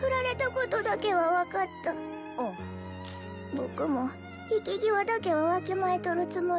僕も引き際だけはわきまえとるつもりや。